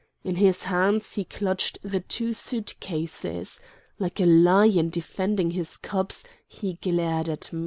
In his hands he clutched the two suit cases. Like a lion defending his cubs he glared at me.